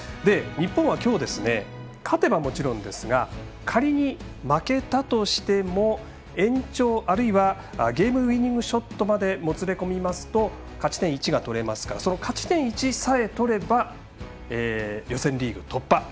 日本はきょう、勝てばもちろんですが仮に負けたとしても延長、あるいはゲームウイニングショットまでもつれ込みますと勝ち点１が取れますからその勝ち点１さえ取れば予選リーグ突破。